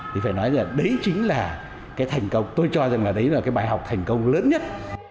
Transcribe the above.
thì phải nói là đấy chính là cái thành công tôi cho rằng là đấy là cái bài học thành công lớn nhất